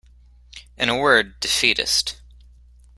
In a word, defeatist.